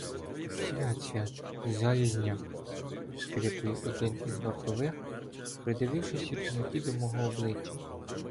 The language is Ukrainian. — Свят-свят! Залізняк! — скрикує один із вартових, придивившись у темноті до мого обличчя.